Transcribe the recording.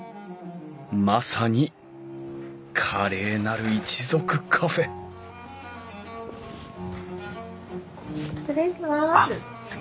まさに「華麗なる一族カフェ」失礼します。